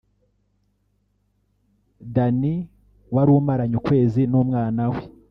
Dannny warumaranye ukwezi n’umwana we